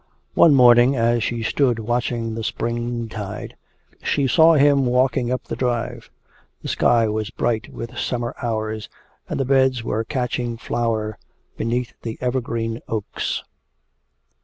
One morning, as she stood watching the springtide, she saw him walking up the drive: the sky was bright with summer hours, and the beds were catching flower beneath the evergreen oaks.